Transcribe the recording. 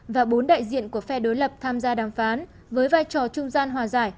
và bốn đại diện của phe đối lập tham gia đàm phán với vai trò trung gian hòa giải